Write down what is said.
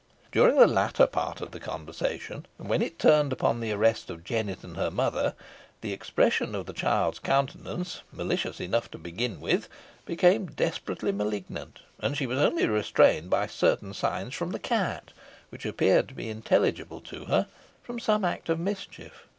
During the latter part of the conversation, and when it turned upon the arrest of Jennet and her mother, the expression of the child's countenance, malicious enough to begin with, became desperately malignant, and she was only restrained by certain signs from the cat, which appeared to be intelligible to her, from some act of mischief.